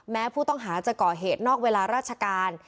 แม้ผู้ต้องหาจะก่อเหตุนอกเวลาราชการ